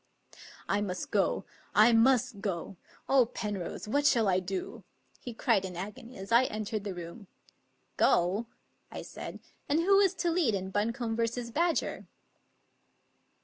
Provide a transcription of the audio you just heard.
" I must go. I must go. Oh, Penrose! what shall I do? '* he cried in agony as I entered the room. "Go?" I said; "and who is to lead in Buncombe v. Badger?"